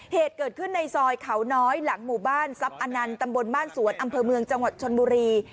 เหตุเกิดขึ้นในซอยเขาน้อยหลังหมู่บ้านทรัพย์อนันต์ตำบลบ้านสวนอำเภอเมืองจังหวัดชนบุรี